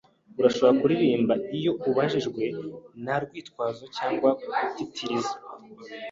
Urashobora kuririmba iyo ubajijwe, nta rwitwazo cyangwa gutitiriza,